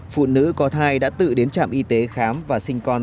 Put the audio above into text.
phụ nữ có thai đã tự đến trạm y tế khám và sinh con